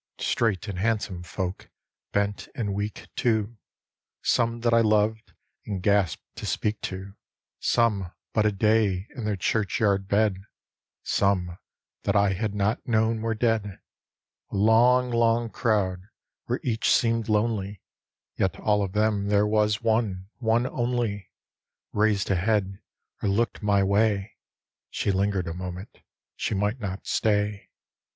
Straight and handsome folk, bent and weak, too ; Some that I loved, and gasp'd to speak to; Some but a day in theii churchyard bed; Some that I had not known were dead. A long long crowd — where each seem'd lonely, Yet of them all there was one, one only. Raised a head or looked my way; She linger'd a moment — she might not stay.